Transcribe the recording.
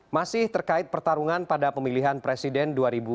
masih terkait pertarungan pada pemilihan presiden dua ribu sembilan belas